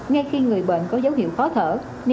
ngay khi người bệnh có dấu hiệu khó thở